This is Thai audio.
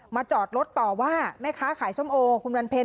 จอดรถต่อว่าแม่ค้าขายส้มโอคุณวันเพ็ญ